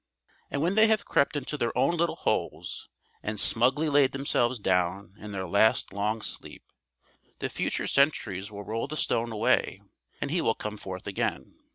And when they have crept into their own little holes, and smugly laid themselves down in their last long sleep, the future centuries will roll the stone away and he will come forth again.